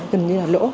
gần như là lỗ